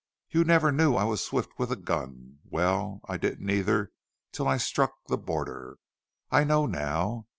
"You never knew I was swift with a gun. Well, I didn't, either, till I struck the border. I know now.